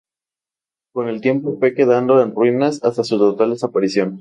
Con el tiempo fue quedando en ruinas, hasta su total desaparición.